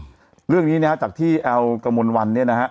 เรื่องนี้นะฮะจากที่แอลกระมวลวันเนี่ยนะฮะ